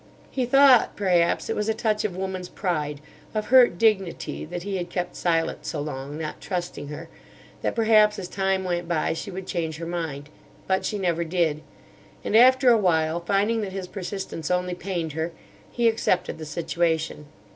"He thought perhaps it was a touch of woman's pride, of hurt dignity that he had kept silent so long, not trusting her; that perhaps as time went by she would change her mind. But she never did; and after awhile, finding that his persistence only pained her, he accepted the situation.